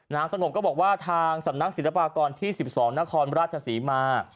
สงบก็บอกว่าทางสำนักศิลปากรที่๑๒นครราชศรีมา